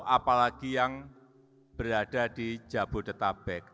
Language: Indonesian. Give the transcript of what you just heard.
apalagi yang berada di jabodetabek